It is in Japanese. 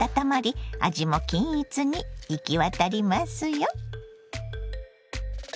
味も均一に行き渡りますよ。